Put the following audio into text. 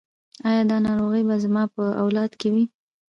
ایا دا ناروغي به زما په اولاد کې وي؟